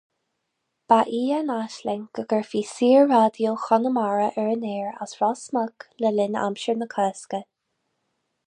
Ba í a n-aisling go gcuirfí SaorRaidió Chonamara ar an aer as Ros Muc le linn aimsir na Cásca.